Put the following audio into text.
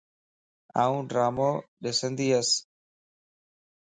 آن ڊرامو ڏندياس